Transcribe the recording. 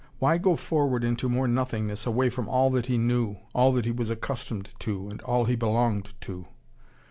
Why go forward into more nothingness, away from all that he knew, all he was accustomed to and all he belonged to?